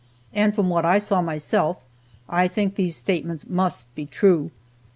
And from what I saw myself, I think these statements must be true.